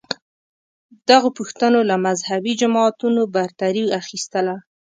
دغو پوښتنو له مذهبې جماعتونو برتري اخیستله